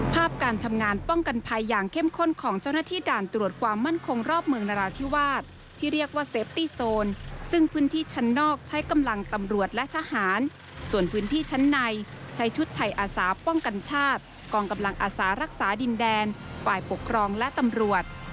การทำงานป้องกันภัยอย่างเข้มข้นของเจ้าหน้าที่ด่านตรวจความมั่นคงรอบเมืองนราธิวาสที่เรียกว่าเซฟตี้โซนซึ่งพื้นที่ชั้นนอกใช้กำลังตำรวจและทหารส่วนพื้นที่ชั้นในใช้ชุดไทยอาสาป้องกันชาติกองกำลังอาสารักษาดินแดนฝ่ายปกครองและตำรวจ